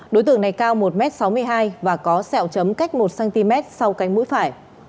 đối tượng này cao một m sáu mươi hai và có sẹo chấm cách một cm sau cánh mũi phải